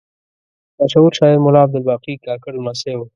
مشهور شاعر ملا عبدالباقي کاکړ لمسی و.